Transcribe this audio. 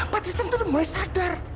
patristan tuh udah mulai sadar